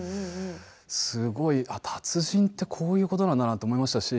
すごいあっ、達人ってこういうことなんだなと思いましたし。